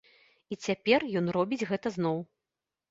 І цяпер ён робіць гэта зноў.